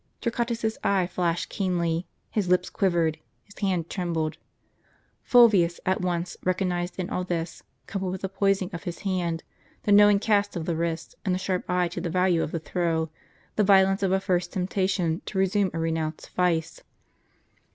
Torquatus's eye flashed keenly, his lips quivered, his hand trembled. Fulvius at once recognized in all this, coupled with the poising of his hand, the knowing cast of the wrist, and the sharp eye to the value of the throw, the violence of a first temptation to resume a renounced vice.